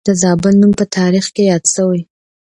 د زابل نوم په تاریخ کې یاد شوی